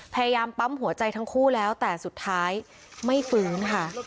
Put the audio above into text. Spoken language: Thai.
พยายามปั๊มหัวใจทั้งคู่แล้วแต่สุดท้ายไม่ฟื้นค่ะ